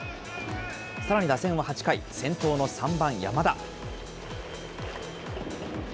さらに打線は８回、先頭の３番山田。